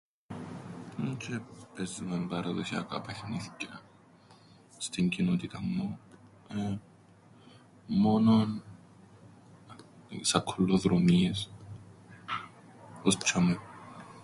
Έντζ̆ε παίζουμεν παραδοσιακά παιχνίθκια στην κοινότηταν μου. Μόνον σακκουλοδρομίες, ώς τζ̆ειαμαί.